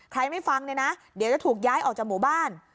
ไม่ฟังเนี่ยนะเดี๋ยวจะถูกย้ายออกจากหมู่บ้าน